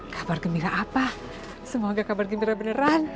kabar gembira apa semoga kabar gembira beneran